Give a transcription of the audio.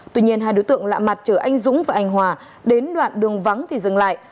tuy nhiên hai đối tượng lạ mặt chở anh dũng và anh hòa đến đoạn đường vắng thì dừng lại